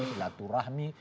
di laturah nih